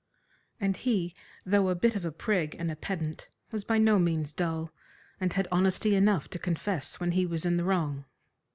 And he, though a bit of a prig and a pedant, was by no means dull, and had honesty enough to confess when he was in the wrong.